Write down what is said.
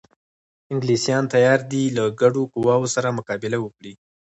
انګلیسیان تیار دي له ګډو قواوو سره مقابله وکړي.